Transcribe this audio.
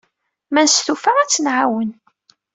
Ma nestufa, ad tt-nɛawen.